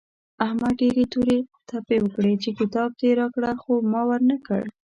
احمد ډېرې تورې تپې وکړې چې کتاب دې راکړه خو ما ور نه کړ.